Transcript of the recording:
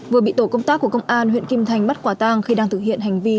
vừa bị tổ công tác của công an huyện kim thành bắt quả tang khi đang thực hiện hành vi